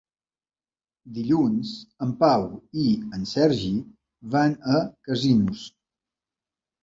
Dilluns en Pau i en Sergi van a Casinos.